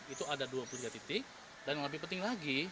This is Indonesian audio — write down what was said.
itu ada dua puluh tiga titik dan yang lebih penting lagi